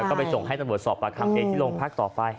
ก็ไปส่งให้ตำรวจสอบปากคำเองที่โรงพักต่อไป